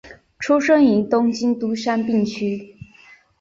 出身于东京都杉并区。